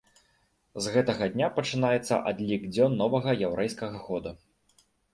З гэтага дня пачынаецца адлік дзён новага яўрэйскага года.